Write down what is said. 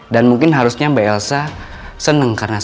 dan mungkin harusnya mbak elsa senang karena saya